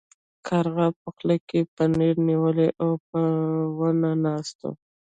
کارغه په خوله کې پنیر نیولی و او په ونه ناست و.